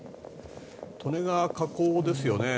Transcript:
利根川河口ですよね。